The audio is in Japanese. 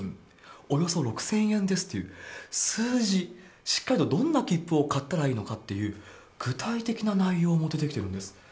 およそ６０００円ですっていう数字、しっかりとどんな切符を買ったらいいのかという具体的な内容も出てきてるんです。